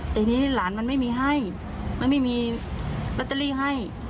แต่ทีนี้หลานมันไม่มีให้มันไม่มีลอตเตอรี่ให้